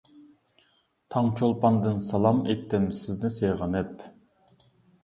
تاڭ چولپاندىن سالام ئېيتتىم سىزنى سېغىنىپ.